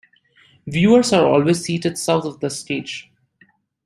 Viewers are always seated south of the stage.